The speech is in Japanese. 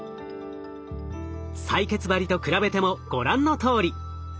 採血針と比べてもご覧のとおり。